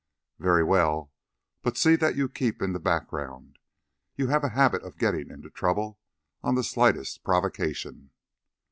"Very well; but see to it that you keep in the background. You have a habit of getting into trouble on the slightest provocation."